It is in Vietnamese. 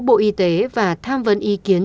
bộ y tế và tham vấn ý kiến